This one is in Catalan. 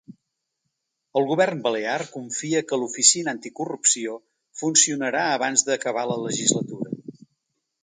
El govern balear confia que l’oficina anticorrupció funcionarà abans d’acabar la legislatura.